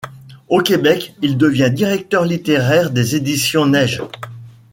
Au Québec, il devient directeur littéraire des éditions Neige.